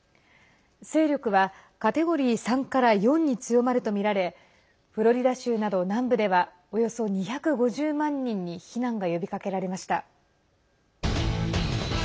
勢力はカテゴリー３から４に強まるとみられフロリダ州など南部ではおよそ２５０万人に避難が呼びかけられました。